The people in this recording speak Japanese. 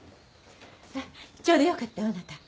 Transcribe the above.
ちょうどよかったわあなた。